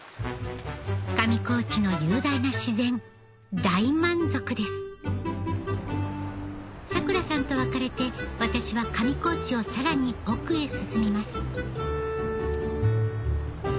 上高地の雄大な自然大満足ですさくらさんと別れて私は上高地をさらに奥へ進みます